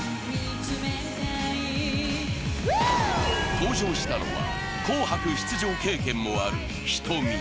登場したのは紅白出場経験もあるｈｉｔｏｍｉ。